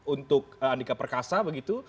untuk andika perkasa begitu